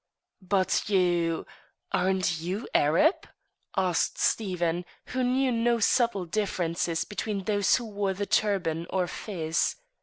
"But you aren't you Arab?" asked Stephen, who knew no subtle differences between those who wore the turban or fez.